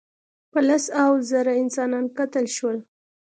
په لس هاوو زره انسانان قتل شول.